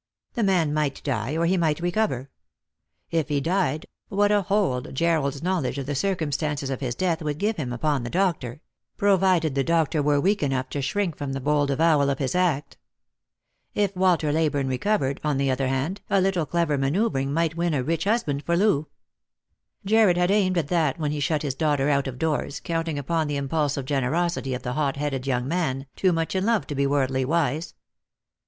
The man might die or he might recover. If he died, what a hold Jarred's knowledge of the circumstances of his death would give him upon the doctor ; provided the doctor were weak enough to shrink from the bold avowal of his act ! If Walter Leyburne recovered, on the other hand, a little clever manoeuvring might win a rich 33C Lost for Love. husband for Loo. Jarred had aimed at that when he shut his daughter out of doors, counting upon the impulsive generosity of a hot headed young man, too much in love to be worldly wise.